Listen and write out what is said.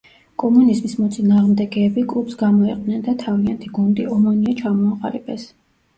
კომუნიზმის მოწინააღმდეგეები კლუბს გამოეყვნენ და თავიანთი გუნდი, „ომონია“ ჩამოაყალიბეს.